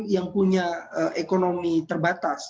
yang punya ekonomi terbatas